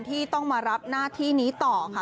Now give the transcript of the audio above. ที่ต้องมารับหน้าที่นี้ต่อค่ะ